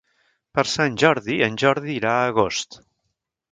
Per Sant Jordi en Jordi irà a Agost.